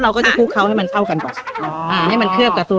เราใช้ไฟปันกลางค่ะ